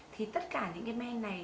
thì tất cả những men này